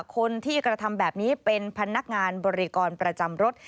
คนที่กระทำแบบนี้เป็นพนักงานบริกรประจำรถ